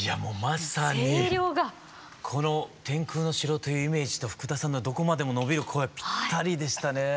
この「天空の城」というイメージと福田さんのどこまでも伸びる声ぴったりでしたね。